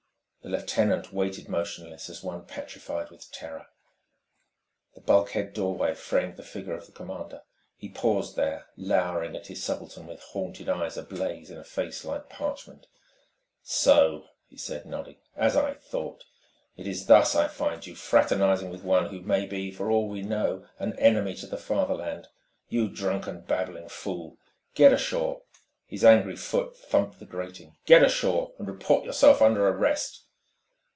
The lieutenant waited motionless, as one petrified with terror. The bulkhead doorway framed the figure of the commander. He paused there, louring at his subaltern with haunted eyes ablaze in a face like parchment. "So!" he said, nodding. "As I thought. It is thus I find you, fraternising with one who may be, for all we know, an enemy to the Fatherland. You drunken, babbling fool! Get ashore!" His angry foot thumped the grating. "Get ashore, and report yourself under arrest!"